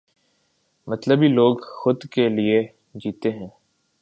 مطلبی لوگ خود کے لئے جیتے ہیں۔